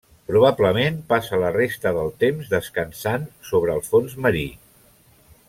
Probablement passa la resta del temps descansant sobre el fons marí.